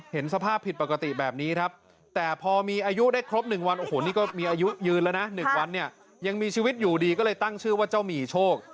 เห็นสภาพผิดปกติแบบนี้แต่พอมีอายุได้ครบ๑วันโอ้โหอันนี้ก็ยืนแล้วนะ๑วันมีชีวิตอยู่ดีเลยตั้งชื่อเจ้ามิโชค